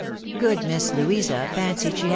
Good Miss Louisa fancied she had.